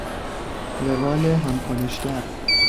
روال هم کنشگر